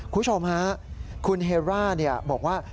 คุณผู้ชมฮะคุณเฮร่าบอกว่า